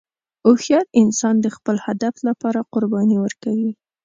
هوښیار انسان د خپل هدف لپاره قرباني ورکوي.